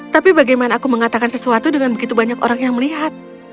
tapi bagaimana aku mengatakan sesuatu dengan begitu banyak orang yang melihat